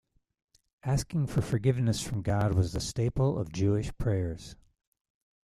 Asking for forgiveness from God was a staple of Jewish prayers.